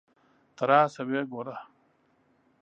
ته راشه ویې ګوره.